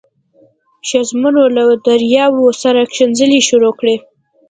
ښځمنو له دریاو سره ښکنځلې شروع کړې.